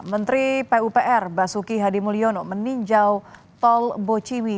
menteri pupr basuki hadimulyono meninjau tol bociwi